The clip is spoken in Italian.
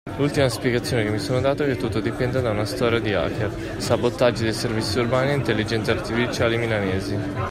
L’ultima spiegazione che mi sono dato è che tutto dipenda da una storia di hacker, sabotaggi dei servizi urbani e intelligenze artificiali milanesi.